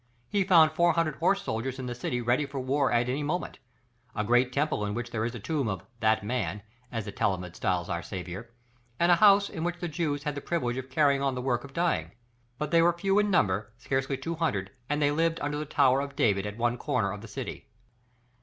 He found four hundred horse soldiers in the city ready for war at any moment, a great temple in which is the tomb of "that man," as the Talmud styles our Saviour, and a house in which the Jews had the privilege of carrying on the work of dyeing; but they were few in number, scarcely two hundred, and they lived under the tower of David at one corner of the city.